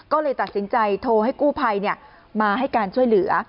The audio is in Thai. ก็เลยตัดสินใจโทรให้กู้ภัยมาให้การช่วยเหลือ